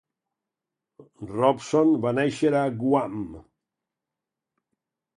Robson va néixer a Guam.